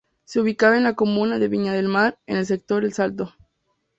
Se ubicaba en la comuna de Viña del Mar, en el sector El Salto.